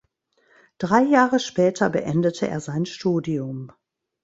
Drei Jahre später beendete er sein Studium.